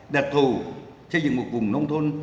đạt thù xây dựng một vùng nông thôn